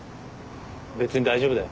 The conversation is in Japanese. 別に大丈夫だよ。